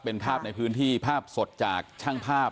เป็นภาพในพื้นที่ภาพสดจากช่างภาพ